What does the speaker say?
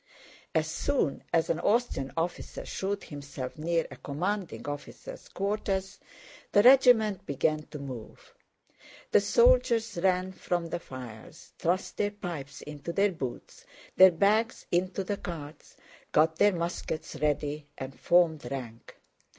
As soon as an Austrian officer showed himself near a commanding officer's quarters, the regiment began to move: the soldiers ran from the fires, thrust their pipes into their boots, their bags into the carts, got their muskets ready, and formed rank.